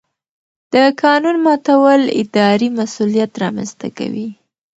د قانون ماتول اداري مسؤلیت رامنځته کوي.